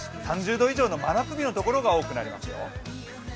３０度以上の真夏日の所が多くなりますよ。